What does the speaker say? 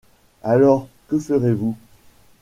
Alors, que ferez-vous ?